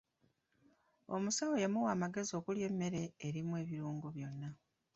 Omusawo yamuwa amagezi okulya emmere erimu ebirungo byonna.